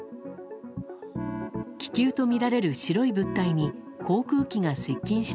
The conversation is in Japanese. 気球とみられる白い物体に航空機が接近した